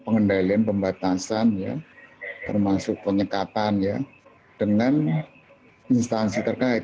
pengendalian pembatasan termasuk penyekatan dengan instansi terkait